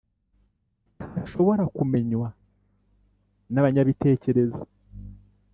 bitashobora kumenywa n’abanyabitekerezo.